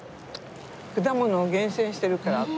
果物を厳選してるから。